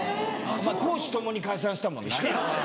公私共に解散したもんな。